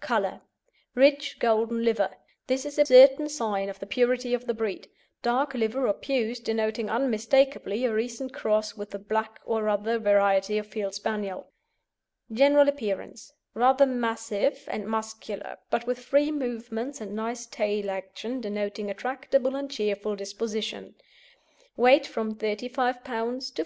COLOUR Rich golden liver; this is a certain sign of the purity of the breed, dark liver or puce denoting unmistakably a recent cross with the black or other variety of Field Spaniel. GENERAL APPEARANCE Rather massive and muscular, but with free movements and nice tail action denoting a tractable and cheerful disposition. Weight from 35 lb. to 45 lb. VI.